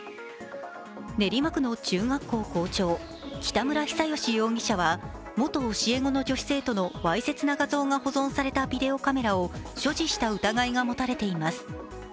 練馬区の中学校校長、北村比左嘉容疑者は元教え子の女子生徒のわいせつな画像が保存されたビデオカメラを所持した疑いが持たれています。